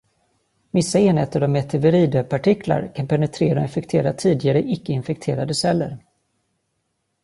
Vissa enheter av meteviridaepartiklar kan penetrera och infektera tidigare icke infekterade celler.